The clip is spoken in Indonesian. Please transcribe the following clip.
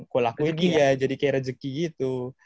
gue lakuin juga jadi kayak rezeki gitu